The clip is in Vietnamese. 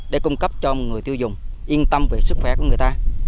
để cung cấp cho người tiêu dùng yên tâm về sức khỏe của người ta